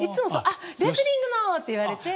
「あっレスリングの」って言われて。